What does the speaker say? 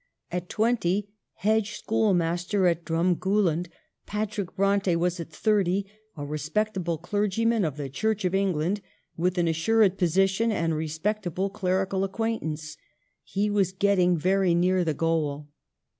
At twenty, hedge schoolmaster at Drumgooland, Patrick Bronte was at thirty a respectable clergyman of the Church of England, with an assured posi tion and respectable clerical acquaintance. He was getting very near the goal.